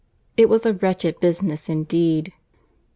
—It was a wretched business indeed!